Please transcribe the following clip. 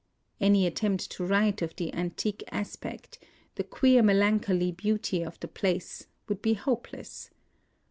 Any attempt to write of the antique aspect, the queer melancholy beauty of the place, would be hopeless.